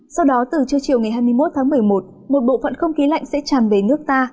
sau đó từ trưa chiều ngày hai mươi một tháng một mươi một một bộ phận không khí lạnh sẽ tràn về nước ta